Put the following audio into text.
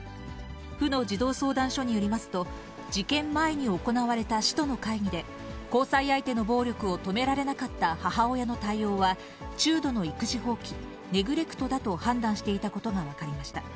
府の児童相談所によりますと、事件前に行われた市との会議で、交際相手の暴力を止められなかった母親の対応は、中度の育児放棄・ネグレクトだと判断していたことが分かりました。